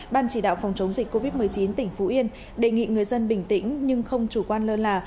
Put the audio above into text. ban chỉ đạo phòng chống dịch covid một mươi chín tỉnh phú yên đề nghị người dân bình tĩnh nhưng không chủ quan lơ là